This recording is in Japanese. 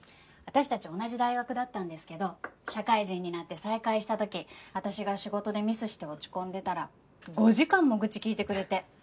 私たち同じ大学だったんですけど社会人になって再会した時私が仕事でミスして落ち込んでたら５時間も愚痴聞いてくれて。